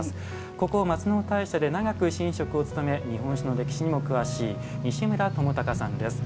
ここ松尾大社で長く神職を務め日本酒の歴史にも詳しい西村伴雄さんです。